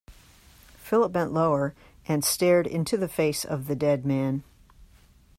Philip bent lower, and stared into the face of the dead man.